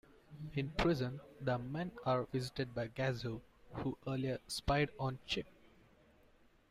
In prison, the men are visited by Gazoo, who earlier spied on Chip.